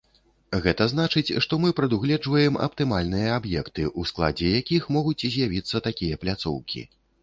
Гэта значыць, што мы прадугледжваем аптымальныя аб'екты, у складзе якіх могуць з'явіцца такія пляцоўкі.